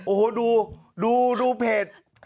โอ้โหดูเดริวดูเพจ